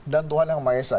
dan tuhan yang mahesa